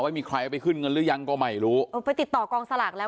มีใครเอาไปขึ้นเงินหรือยังก็ไม่รู้เออไปติดต่อกองสลากแล้ว